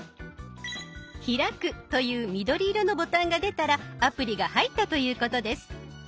「開く」という緑色のボタンが出たらアプリが入ったということです。